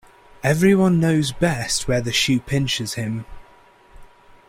Everyone knows best where the shoe pinches him.